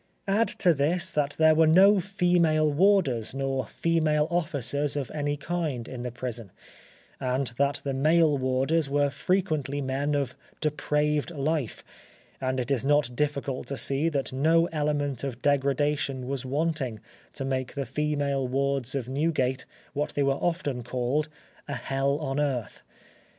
Add to this that there were no female warders nor female officers of any kind in the prison, and that the male warders were frequently men of depraved life, and it is not difficult to see that no element of degradation was wanting to make the female wards of Newgate what they were often called—a hell on earth.